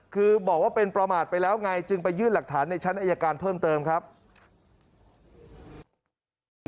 คือบอกว่าเป็นประมาทไปแล้วไงจึงไปยื่นหลักฐานในชั้นอายการเพิ่มเติมครับ